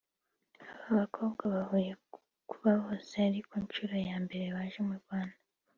Aba bakobwa bahuriye ku kuba bose ari ku nshuro ya mbere baje mu Rwanda